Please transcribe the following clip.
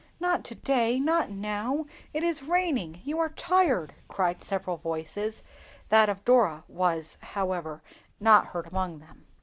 "Not to day, not now, it is raining; you are tired," cried several voices; that of Dora was, however, not heard amongst them.